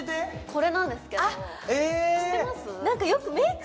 これなんですけど知ってます？